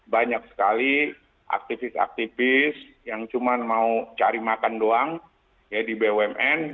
banyak sekali aktivis aktivis yang cuma mau cari makan doang ya di bumn